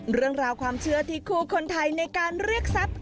เรื่องราวความเชื่อที่คู่คนไทยในการเรียกทรัพย์